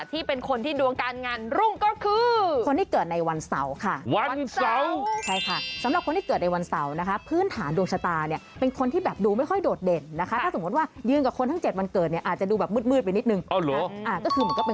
ส่วนอีกหนึ่งวันค่ะที่เป็นคนที่ดวงการงานรุ่งก็คือ